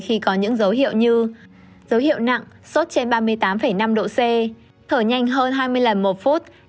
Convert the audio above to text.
khi có những dấu hiệu như dấu hiệu nặng sốt trên ba mươi tám năm độ c thở nhanh hơn hai mươi lần một phút